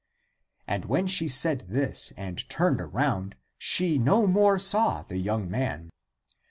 And when she said this and turned around, she no more saw the young man.